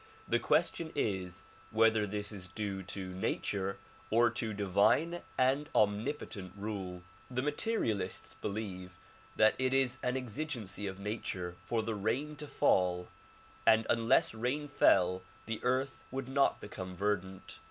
the question is whether this is due to nature or to divine and omnipotent rule. The materialists believe that it is an exigency of nature for the rain to fall and unless rain fell the earth would not become verdant.